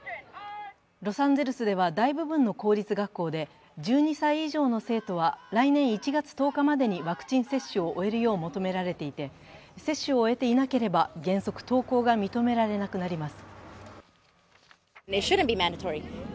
ロサンゼルスでは大部分の公立学校で１２歳以上の生徒は来年１月１０日までにワクチン接種を終えるよう求められていて、接種を終えていなければ原則登校が認められなくなります。